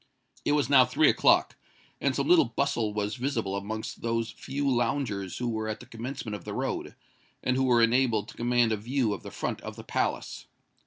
It was now three o'clock; and some little bustle was visible amongst those few loungers who were at the commencement of the road, and who were enabled to command a view of the front of the palace.